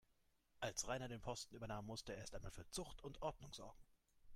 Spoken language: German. Als Rainer den Posten übernahm, musste er erst einmal für Zucht und Ordnung sorgen.